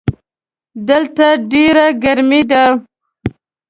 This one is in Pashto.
دلته ډېره ګرمي ده.